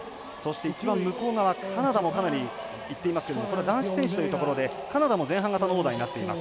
一番向こう側、カナダもかなりいってますけどもこれは男子選手というところでカナダも前半型のオーダー。